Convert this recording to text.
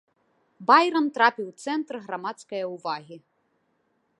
Байран трапіў у цэнтр грамадскае ўвагі.